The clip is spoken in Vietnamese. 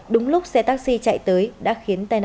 đúng lúc xe taxi chạy tới đã khiến tay hỏng